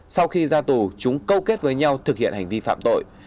sau khi ra tù chúng câu kết với nhau thực hiện hành vi phạm tội